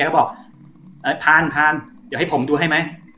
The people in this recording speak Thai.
ก็บอกพานพานเดี๋ยวให้ผมดูให้ไหม